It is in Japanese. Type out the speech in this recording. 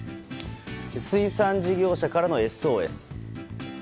水産事業者からのＳＯＳ。